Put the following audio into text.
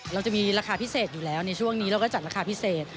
เราจะมีราคาพิเศษอยู่แล้วในช่วงนี้เราก็จัดราคาพิเศษ